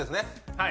はい。